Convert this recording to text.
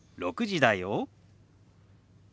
６時だよ。